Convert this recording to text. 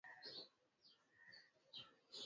Kilimo hicho hutegemea kupwa na kujaa kwa maji baharini